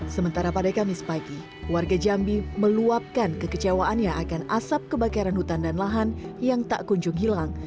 sementara pada kamis pagi warga jambi meluapkan kekecewaannya akan asap kebakaran hutan dan lahan yang tak kunjung hilang